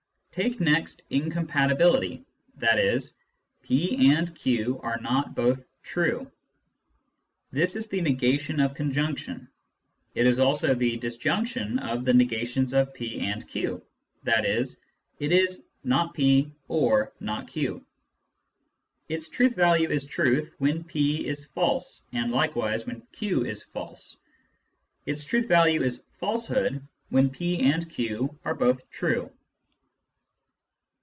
Take next incompatibility, i.e. " p and q are not both true." This is the negation of conjunction ; it is also the disjunction of the negations of p and q, i.e. it is " not /) or not y." Its truth value is truth when p is false and likewise when q is false ; its truth value is falsehood when p and q are both true.